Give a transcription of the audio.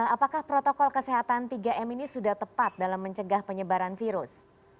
apakah protokol kesehatan tiga m ini sudah tepat dalam mencegah penyebaran virus